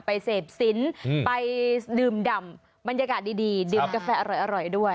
ไปเสพศิลป์ไปดื่มดำบรรยากาศดีดื่มกาแฟอร่อยด้วย